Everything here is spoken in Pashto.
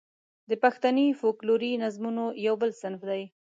د پښتني فوکلوري نظمونو یو بل صنف دی.